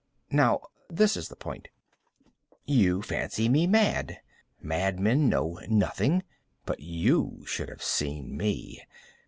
Now this is the point. You fancy me mad. Madmen know nothing. But you should have seen me.